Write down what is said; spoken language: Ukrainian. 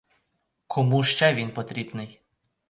Кому ще він потрібний?